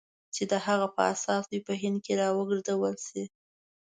چې د هغه په اساس دوی په هند کې را وګرځول شي.